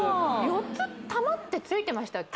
４つ玉ってついてましたっけ？